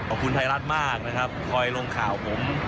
ขอบคุณไทยรัฐมากนะครับคอยลงข่าวผม